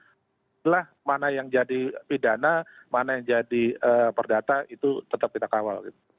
setelah mana yang jadi pidana mana yang jadi perdata itu tetap kita kawal